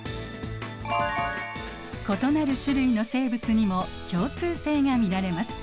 異なる種類の生物にも共通性が見られます。